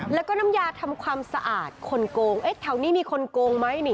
แล้วก็น้ำยาทำความสะอาดคนโกงเอ๊ะแถวนี้มีคนโกงไหมนี่